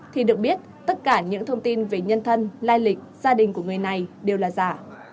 thì được biết tất cả những thông tin về nhân thân lai lịch gia đình của người này đều là giả